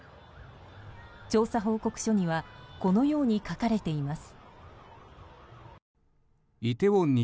調査報告書にはこのように書かれています。